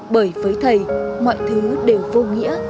bởi với thầy mọi thứ đều vô nghĩa